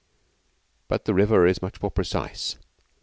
But the river is much more precise.